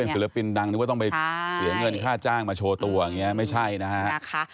ศิลปินดังนึกว่าต้องไปเสียเงินค่าจ้างมาโชว์ตัวอย่างนี้ไม่ใช่นะฮะ